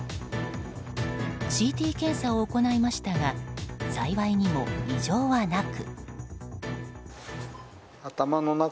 ＣＴ検査を行いましたが幸いにも異常はなく。